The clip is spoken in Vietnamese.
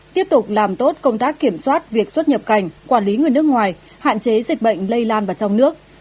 tiếp tục làm tốt công tác kiểm soát việc xuất nhập cảnh quản lý người nước ngoài hạn chế dịch bệnh lây lan vào trong nước